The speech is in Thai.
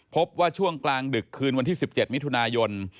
พบว่าช่วงกลางดึกคืนวันที่๑๗มิถุนายน